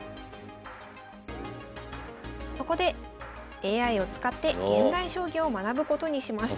そこでＡＩを使って現代将棋を学ぶことにしました。